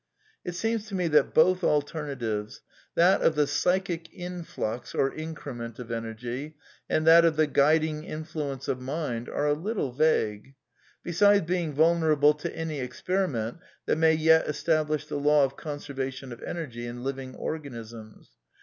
It seems to me that both alternatives, that of the psychic influx (or increment) of energy, and that of the guiding influence of mind, are a little vague; besides being vulner V^ able to any experiment that may yet establish the law or \ conservation of energy in living organisms.